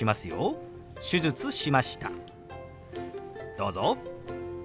どうぞ。